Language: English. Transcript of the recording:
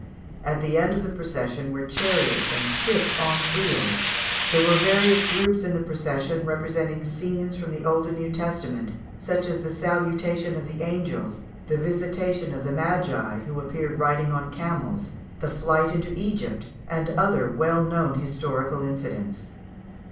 At the end of the procession were chariots and ships on wheels. There were various groups in the procession representing scenes from the Old and New Testament, such as the Salutation of the Angels, the Visitation of the Magi, who appeared riding on camels, the Flight into Egypt, and other well known historical incidents.